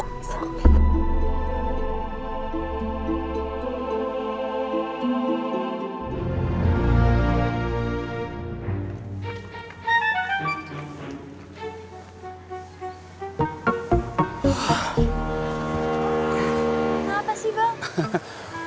kenapa sih bang